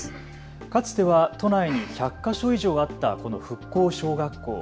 かつては都内に１００か所以上あったこの復興小学校。